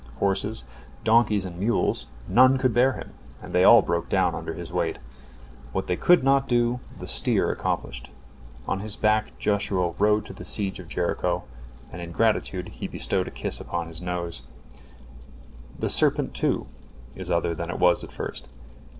Horses, donkeys, and mules, none could bear him, they all broke down under his weight. What they could not do, the steer accomplished. On his back Joshua rode to the siege of Jericho, and in gratitude he bestowed a kiss upon his nose. The serpent, too, is other than it was at first.